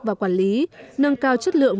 và quản lý nâng cao chất lượng